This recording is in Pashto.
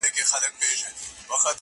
د شېخانو د ټگانو” د محل جنکۍ واوره”